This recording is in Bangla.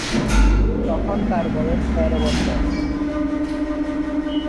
তখন তার বয়স ছিল তের বছর।